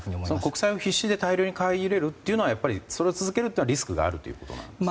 国債を必死で大量に買い入れるのを続けるというのはリスクがあるということですね。